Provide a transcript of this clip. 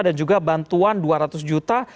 dan juga bantuan rp dua ratus juta